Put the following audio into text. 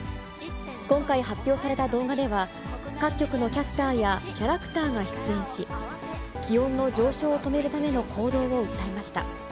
今回、発表された動画では、各局のキャスターやキャラクターが出演し、気温の上昇を止めるための行動を訴えました。